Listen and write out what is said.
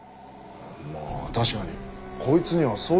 まあ確かにこいつにはそういうのはないな。